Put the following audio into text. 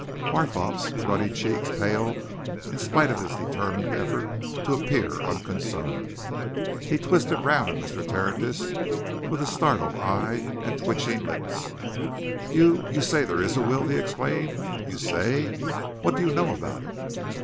Barthorpe's ruddy cheeks paled in spite of his determined effort to appear unconcerned. He twisted round on Mr. Tertius with a startled eye and twitching lips. "You you say there is a will!" he exclaimed. "You say what do you know about it?"